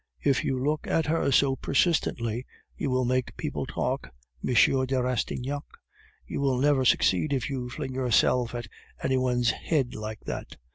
"If you look at her so persistently, you will make people talk, M. de Rastignac. You will never succeed if you fling yourself at any one's head like that."